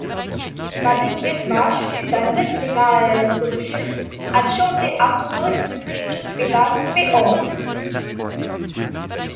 Martin Whitmarsh defended Michael's position, and shortly afterwards the changes began to pay off.